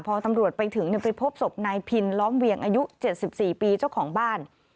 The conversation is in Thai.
พอตำรวจไปถึงไปพบศพนายพินล้อมเวียงอายุ๗๔ปีเจ้าของบ้าน